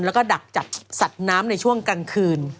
แล้วก็ดักจับสัตว์น้ำในช่วงกลางคืน